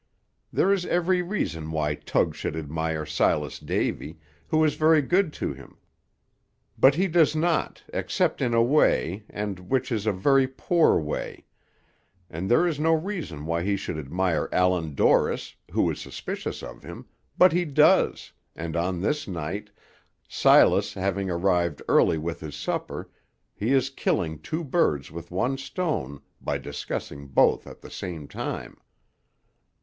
There is every reason why Tug should admire Silas Davy, who is very good to him, but he does not, except in a way, and which is a very poor way; and there is no reason why he should admire Allan Dorris, who is suspicious of him, but he does, and on this night, Silas having arrived early with his supper, he is killing two birds with one stone, by discussing both at the same time.